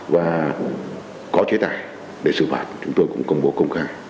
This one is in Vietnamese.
và có chế tài để xử phạt chúng tôi cũng công bố công khai